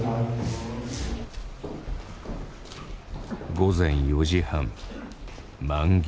午前４時半満行。